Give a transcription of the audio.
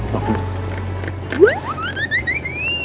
บอกดิ